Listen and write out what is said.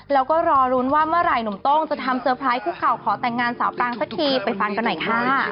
แล้วก็รอลุ้นว่าเมื่อไหร่หนุ่มโต้งจะทำเตอร์ไพรสคุกเข่าขอแต่งงานสาวปรางสักทีไปฟังกันหน่อยค่ะ